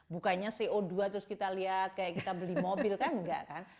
bukannya co dua terus kita lihat kayak kita beli mobil kan enggak kan